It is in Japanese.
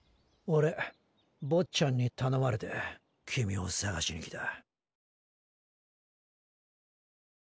オレ坊っちゃんに頼まれて君を捜しに来た。